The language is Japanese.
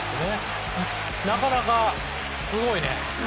なかなかすごいね。